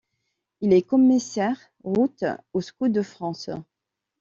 Il est commissaire Route aux Scouts de France.